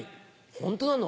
ホントなの？